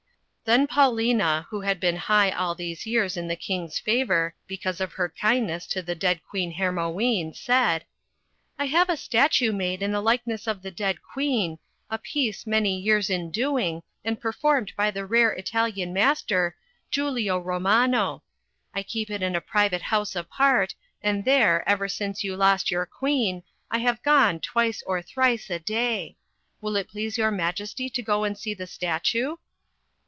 Then Paulina, who had been high all these years in the King's favor, because of her kindness to the dead Queen Hermione, said — "I have a statue made in the likeness of the dead queen, a piece many years in doing, and performed by the rare Italian Master, Giulio Ro mano. I keep it in a private house apart, and there, ever since you lost your queen, I have gone twice or thrice a day. Will it please your Majesty to go and vSee the statue?"